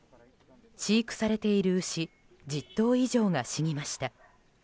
飼育されている牛１０頭以上が死にました。